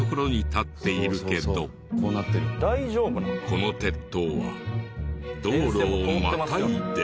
この鉄塔は道路をまたいで。